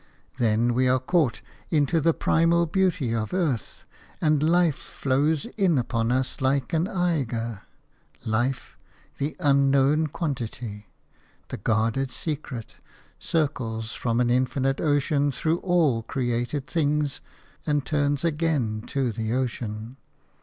Then we are caught into the primal beauty of earth, and life flows in upon us like an eagre. Life – the unknown quantity, the guarded secret – circles from an infinite ocean through all created things, and turns again to the ocean.